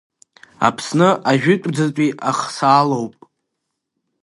Аԥсны ажәытәӡатәи ахсаалоуп.